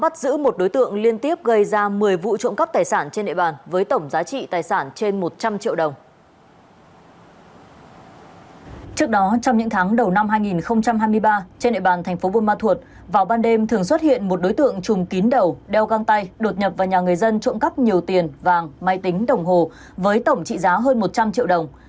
trước đó trong những tháng đầu năm hai nghìn hai mươi ba trên nội bàn thành phố buôn ma thuột vào ban đêm thường xuất hiện một đối tượng chùm kín đầu đeo găng tay đột nhập vào nhà người dân trộm cắp nhiều tiền vàng máy tính đồng hồ với tổng trị giá hơn một trăm linh triệu đồng